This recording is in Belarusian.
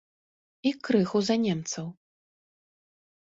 І крыху за немцаў.